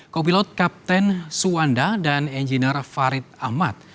co pilot kapten suanda dan engineer farid ahmad